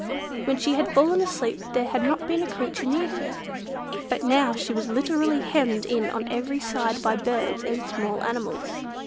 When she had fallen asleep there had not been a creature near her; but now she was literally hemmed in on every side by birds and small animals.